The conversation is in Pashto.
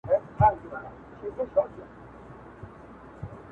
خالقه سترګي د رقیب مي سپېلني کې ورته؛